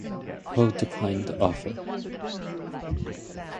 Ho declined the offer.